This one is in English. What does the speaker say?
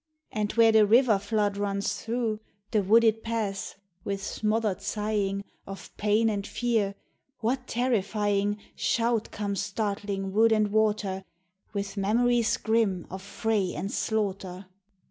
And where the river flood runs through The wooded pass with smothered sighing Of pain and fear what terrifying Shout comes startling wood and water With memories grim of fray and slaughter